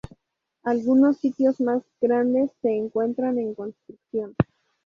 Algunos sitios más grandes se encuentran en construcción.